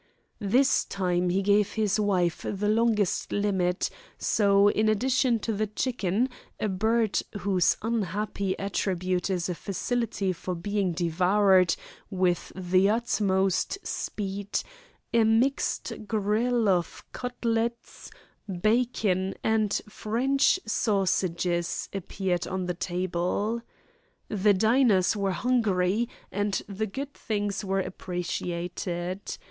This time he gave his wife the longest limit, so, in addition to the chicken, a bird whose unhappy attribute is a facility for being devoured with the utmost speed, a mixed grill of cutlets, bacon, and French sausages appeared on the table. The diners were hungry and the good things were appreciated.